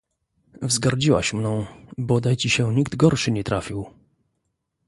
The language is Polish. "Wzgardziłaś mną... bodaj ci się nikt gorszy nie trafił."